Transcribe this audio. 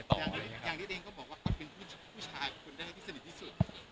อย่างนี้เองก็บอกว่าเขาเป็นผู้ชายคนแรกที่สนิทที่สุด